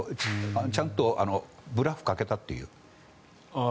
ちゃんとブラフかけたっていう。